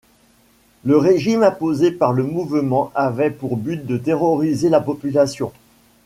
Le régime imposé par le mouvement avait pour but de terroriser la population.